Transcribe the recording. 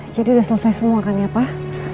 jadi udah selesai semua kan ya pak